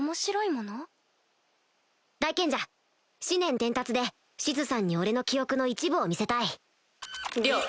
大賢者思念伝達でシズさんに俺の記憶の一部を見せたい了。